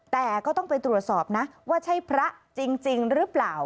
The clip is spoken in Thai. แต่ก็ต้องไปตรวจสอบนะว่าใช่พระจริงหรือเปล่า